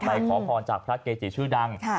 ขอพรจากพระเกจิชื่อดัง